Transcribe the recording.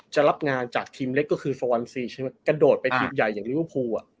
จะรับงานจากทีมเล็กก็คือ๔๑๔ใช่ไหมกระโดดไปทีมใหญ่อย่างลิวอภูอ่ะ